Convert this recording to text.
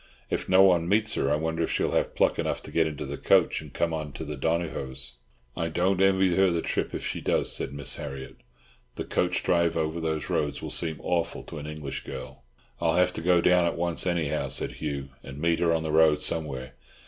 If no one meets her I wonder if she'll have pluck enough to get into the coach and come on to Donohoe's." "I don't envy her the trip, if she does," said Miss Harriott. "The coach drive over those roads will seem awful to an English girl." "I'll have to go down at once, anyhow," said Hugh, "and meet her on the road somewhere.